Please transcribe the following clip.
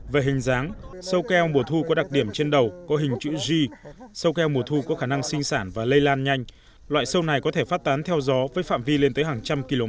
về hình dáng sâu keo mùa thu có đặc điểm trên đầu có hình chữ g sâu keo mùa thu có khả năng sinh sản và lây lan nhanh loại sâu này có thể phát tán theo gió với phạm vi lên tới hàng trăm km